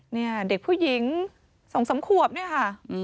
นี่เด็กผู้หญิงส่องสำควบนี่ค่ะ